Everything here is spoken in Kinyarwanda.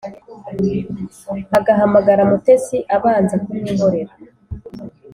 agahamagara mutesi abanza kumwihorera